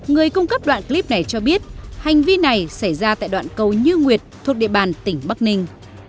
người cung cấp đoạn clip này cho biết hành vi này xảy ra tại đoạn cầu như nguyệt thuộc địa bàn tỉnh bắc ninh